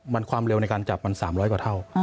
มันความเร็วในการจับมัน๓๐๐กว่าเท่า